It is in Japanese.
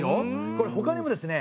これほかにもですね